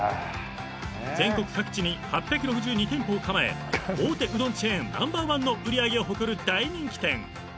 ［全国各地に８６２店舗を構え大手うどんチェーンナンバー１の売り上げを誇る大人気店］